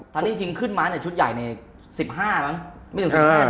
ตอนนี้จริงขึ้นมาชุดใหญ่ใน๑๕ปังไม่ถึง๑๕ดีด้วย